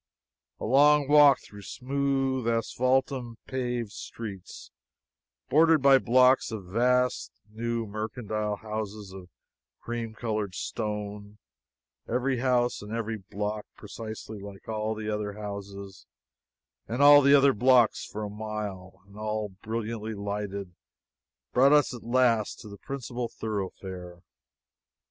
A long walk through smooth, asphaltum paved streets bordered by blocks of vast new mercantile houses of cream colored stone every house and every block precisely like all the other houses and all the other blocks for a mile, and all brilliantly lighted brought us at last to the principal thoroughfare.